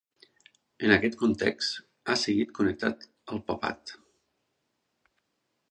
En aquest context, ha seguit connectat al papat.